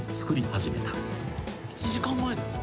１時間前ですよ。